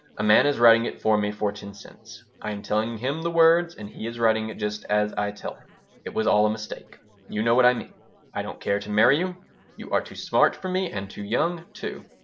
A man is writing it for me for ten cents. I am telling him the words and he is writing just as I tell him. It was all a mistake. You know what I mean. I don't care to marry you. You are too smart for me and too young, too.